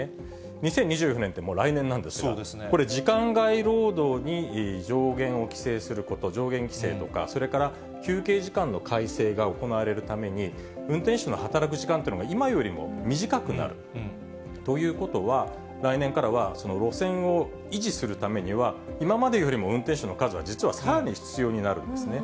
２０２４年ってもう来年なんですが、これ、時間外労働に上限を規制すること、上限規制とか、それから休憩時間の改正が行われるために、運転手の働く時間というのが今よりも短くなるということは、来年からはその路線を維持するためには、今までよりも運転手の数が実はさらに必要になるんですね。